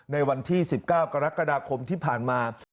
ในวันที่๑๙กรกฎาคมที่ผ่านมา